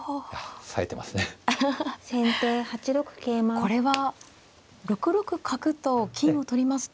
これは６六角と金を取りますと。